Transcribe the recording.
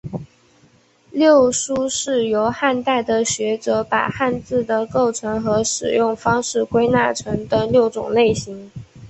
六书是由汉代的学者把汉字的构成和使用方式归纳成的六种类型。